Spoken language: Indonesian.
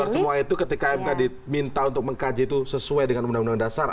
semua itu ketika mk diminta untuk mengkaji itu sesuai dengan undang undang dasar